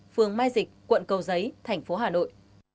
phường mai dịch quận cầu giấy tp hà nội